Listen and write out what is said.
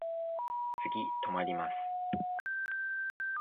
次止まります。